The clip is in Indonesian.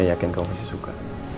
saya yakin kamu masih suka